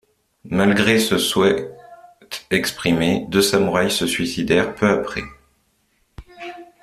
Malgré ce souhaite exprimé, deux samouraï se suicidèrent peu après.